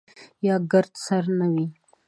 یا ګرد سره نه وي.